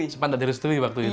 sempat tidak direstui waktu itu